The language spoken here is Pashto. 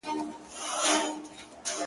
کوچۍ ښکلې به ور اخلي -